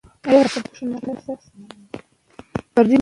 ماشومان د لوبو په وخت کې د ګډ کار تمرین کوي.